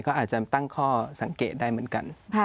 ก็อาจจะตั้งข้อสังเกตได้เหมือนกัน